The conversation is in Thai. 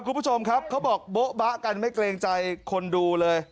คุณผู้ชมครับเขาบอกโบ๊ะบะกันไม่เกรงใจคนดูเลย